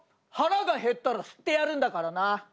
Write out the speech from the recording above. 腹が減ったら吸ってやるんだからな。